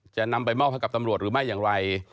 จะนำไปมอบให้กับตำรวจหรือไม่อย่างไร